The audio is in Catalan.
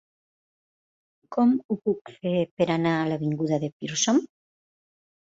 Com ho puc fer per anar a l'avinguda de Pearson?